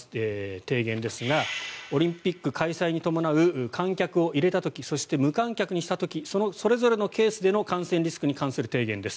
提言ですがオリンピック開催に伴う観客を入れた時そして無観客にした時それぞれのケースでの感染リスクに関する提言です。